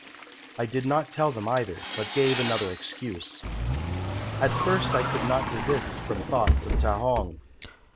I did not tell them either, but gave another excuse. "At first I could not desist from thoughts of Ta hong.